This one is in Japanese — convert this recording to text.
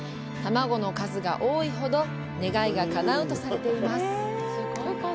卵の数が多いほど願いがかなうとされています。